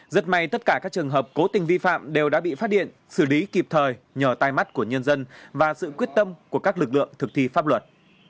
rất may tất cả các trường hợp cố tình vi phạm đều đã bị phát điện xử lý kịp thời nhờ tai mắt của nhân dân và sự quyết tâm của các lực lượng thực thi pháp luật